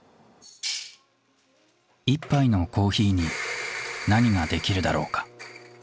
１杯のコーヒーに何ができるだろうか。